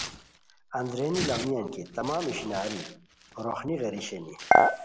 اندرینی لاڑینیان کی تمام اشنواری روخنی غیری شینی